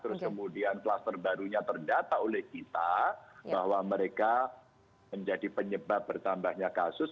terus kemudian kluster barunya terdata oleh kita bahwa mereka menjadi penyebab bertambahnya kasus